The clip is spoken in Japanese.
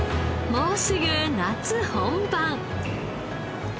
もうすぐ夏本番。